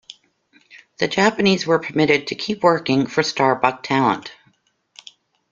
The Japanese were permitted to keep working for Starbuck-Talent.